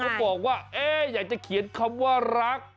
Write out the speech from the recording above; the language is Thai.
บอกว่าอยากจะเขียนคำว่ารัก